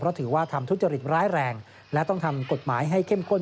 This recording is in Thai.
เพราะถือว่าทำทุจริตร้ายแรงและต้องทำกฎหมายให้เข้มข้น